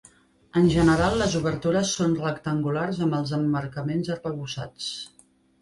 En general, les obertures són rectangulars amb els emmarcaments arrebossats.